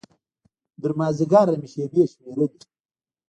تر مازديګره مې شېبې شمېرلې.